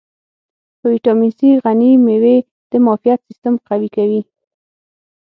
په ویټامین C غني مېوې د معافیت سیستم قوي کوي.